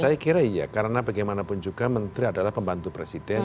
saya kira iya karena bagaimanapun juga menteri adalah pembantu presiden